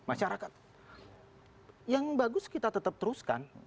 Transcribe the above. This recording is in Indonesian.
masyarakat yang bagus kita tetap teruskan